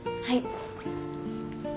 はい。